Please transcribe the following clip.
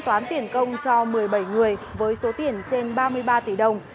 toán tiền công cho một mươi bảy người với số tiền trên ba mươi ba tỷ đồng